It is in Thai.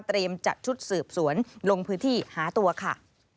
จัดชุดสืบสวนลงพื้นที่หาตัวค่ะ